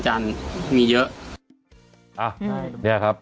จัดกระบวนพร้อมกัน